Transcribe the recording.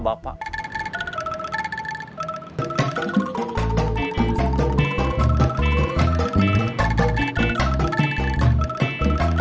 silahkan kau agak ikutin